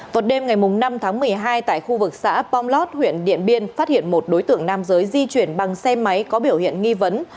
vào đêm ngày năm tháng một mươi hai tại khu vực xã pomlot huyện điện biên phát hiện một đối tượng nam giới di chuyển bằng xe máy có biểu hiện nghi vấn